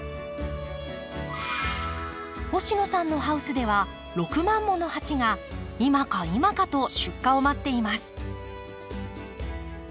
星野さんのハウスでは６万もの鉢が今か今かと出荷を待っています。